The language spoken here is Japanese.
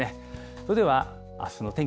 それではあすの天気